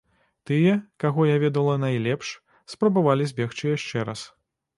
Тыя, каго я ведала найлепш, спрабавалі збегчы яшчэ раз.